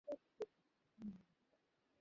নিসার আলি এসেছেন সন্ধ্যাবেলায়, এখন রাত এগারটা।